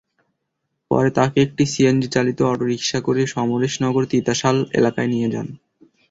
পরে তাঁকে একটি সিএনজিচালিত অটোরিকশা করে সমশেরনগর তিতাশাল এলাকায় নিয়ে যান।